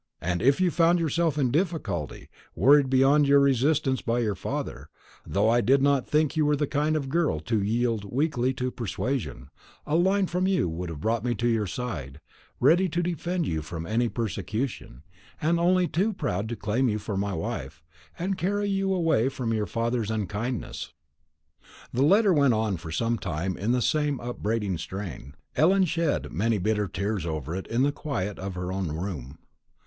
And if you found yourself in any difficulty, worried beyond your power of resistance by your father though I did not think you were the kind of girl to yield weakly to persuasion a line from you would have brought me to your side, ready to defend you from any persecution, and only too proud to claim you for my wife, and carry you away from your father's unkindness." The letter went on for some time in the same upbraiding strain. Ellen shed many bitter tears over it in the quiet of her own room.